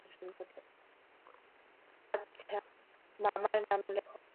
আচ্ছা, মামার নাম লেখো।